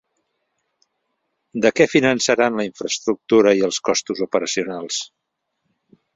De què finançaran la infraestructura i els costs operacionals?